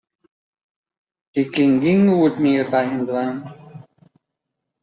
Ik kin gjin goed mear by him dwaan.